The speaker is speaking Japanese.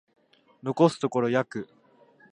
残すところ約